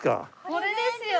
これですよ。